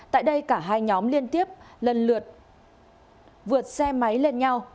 tại đây cả hai nhóm liên tiếp lần lượt vượt xe máy lên nhau